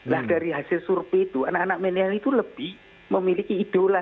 lah dari hasil survei itu anak anak milenial itu lebih memiliki idola